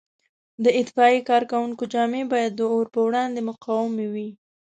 د اطفایې کارکوونکو جامې باید د اور په وړاندې مقاومې وي.